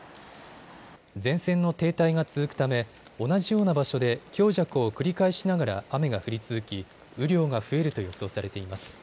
前線の停滞が続くため同じような場所で強弱を繰り返しながら雨が降り続き雨量が増えると予想されています。